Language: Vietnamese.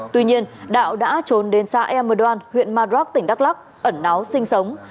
tuy nhiên đạo đã trốn đến xã e m đoan huyện maduak tỉnh đắk lắc ẩn náo sinh sống